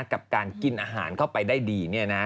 กับการกินอาหารเข้าไปได้ดีเนี่ยนะ